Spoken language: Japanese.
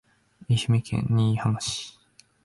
愛媛県新居浜市